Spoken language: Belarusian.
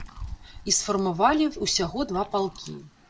І сфармавалі ўсяго два палкі.